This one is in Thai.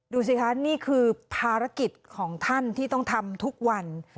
ดูสิคะนี่คือภารกิจของท่านที่ต้องทำทุกวัน